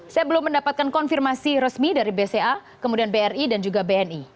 saya belum mendapatkan konfirmasi resmi dari bca kemudian bri dan juga bni